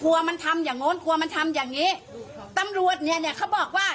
มันทำอย่างโน้นกลัวมันทำอย่างงี้ตำรวจเนี้ยเนี้ยเขาบอกว่า